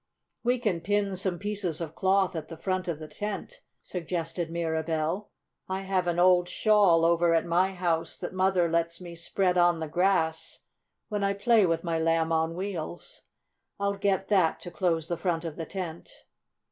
"We can pin some pieces of cloth at the front end of the tent," suggested Mirabell. "I have an old shawl over at my house that Mother lets me spread on the grass when I play with my Lamb on Wheels. I'll get that to close the front of the tent."